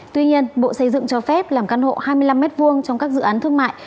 tuy nhiên bộ xây dựng cho phép làm căn hộ hai mươi năm m hai trong các dự án thương mại